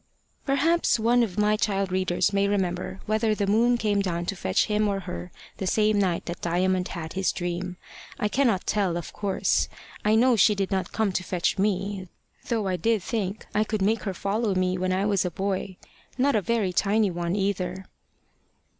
Perhaps one of my child readers may remember whether the moon came down to fetch him or her the same night that Diamond had his dream. I cannot tell, of course. I know she did not come to fetch me, though I did think I could make her follow me when I was a boy not a very tiny one either.